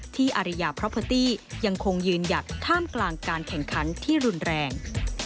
อาริยาเพราะเพอร์ตี้ยังคงยืนหยัดท่ามกลางการแข่งขันที่รุนแรง